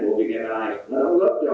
của vietnam airlines nó đóng góp cho